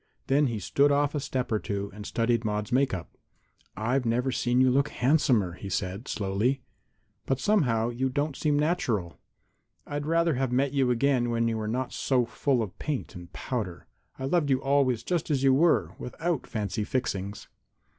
Then he stood off a step or two and studied Maude's make up. "I've never seen you look handsomer," he said, slowly, "but somehow you don't seem natural. I'd rather have met you again when you were not so full of paint and powder. I loved you always just as you were, without fancy fixings."